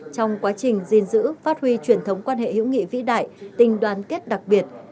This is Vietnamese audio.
trong quá trình gìn giữ phát huy truyền thống quan hệ hữu nghị vĩ đại tình đoàn kết đặc biệt